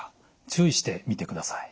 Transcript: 注意して見てください。